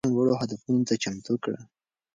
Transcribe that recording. ځان لوړو هدفونو ته چمتو کړه.